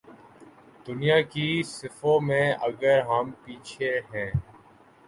دنیا کی صفوں میں اگر ہم پیچھے ہیں۔